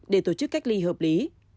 để tổ chức cách ly hợp lý